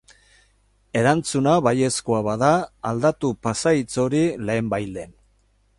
Erantzuna baiezkoa bada, aldatu pasahitz hori lehenbailehen.